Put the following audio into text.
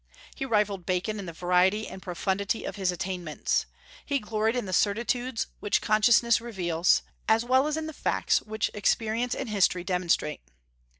He rivalled Bacon in the variety and profundity of his attainments. He gloried in the certitudes which consciousness reveals, as well as in the facts which experience and history demonstrate.